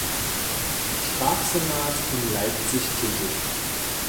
Strafsenat in Leipzig tätig.